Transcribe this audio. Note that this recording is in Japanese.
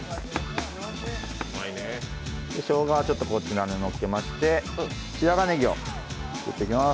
しょうがをこちらに乗っけまして白髪ねぎを切っていきます。